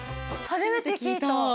初めて聞いた。